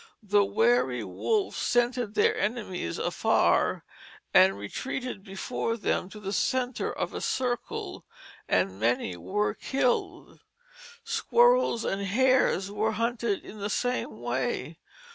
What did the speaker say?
The wary wolves scented their enemies afar and retreated before them to the centre of a circle, and many were killed. Squirrels and hares were hunted in the same way.